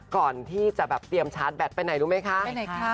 ก่อนที่จะเตรียมชาร์จแบทไปไหนรู้ไหมคะ